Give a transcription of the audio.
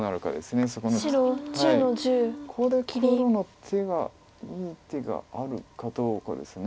ここで黒の手がいい手があるかどうかです。